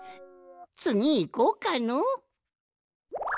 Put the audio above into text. つぎいこうかのう。